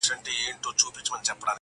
د حرم مېرمني نه وې گلدستې وې.!